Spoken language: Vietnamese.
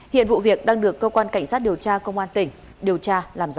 hiện vụ việc đang được cơ quan cảnh sát điều tra công an tỉnh điều tra làm rõ